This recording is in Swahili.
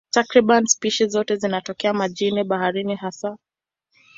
Takriban spishi zote zinatokea majini, baharini hasa.